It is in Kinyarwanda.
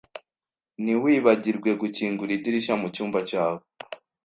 Ntiwibagirwe gukingura idirishya mucyumba cyawe.